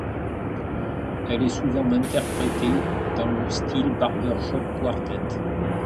Elle est souvent interprétée dans le style barbershop quartet.